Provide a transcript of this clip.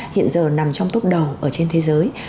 hiện giờ nằm trong tốp đầu ở trên thế giới